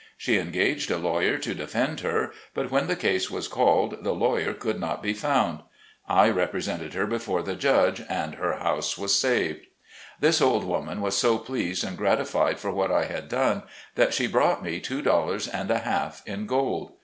She engaged a lawyer to defend her, but when the case was called the lawyer could not be found. I represented her before the judge, and her house was saved. This old woman was so pleased and gratified for what I had done, that she brought me two dollars and a half in gold.